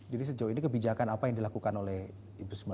jadi sejauh ini kebijakan apa yang dilakukan oleh ibu suma